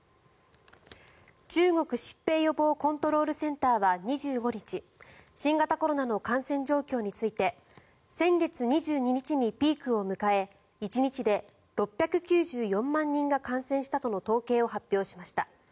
中国疾病予防コントロールセンターは２５日新型コロナの感染状況について先月２２日にピークを迎え１日で６９４万人が感染したとの統計を発表しました。